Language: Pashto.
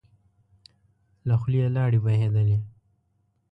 له خولی يې لاړې بهېدلې.